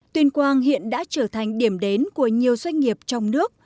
tuyên quang hiện đã trở thành điểm đến của nhiều doanh nghiệp trong nước